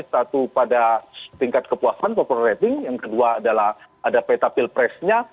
satu pada tingkat kepuasan popular rating yang kedua adalah ada peta pilpresnya